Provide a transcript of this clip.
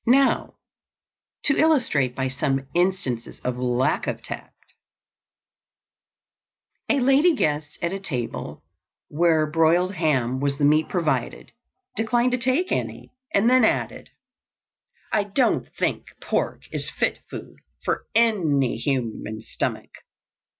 Now, to illustrate by some instances of lack of tact: A lady guest at a table where broiled ham was the meat provided, declined to take any, and then added, "I don't think pork is fit food for any human stomach."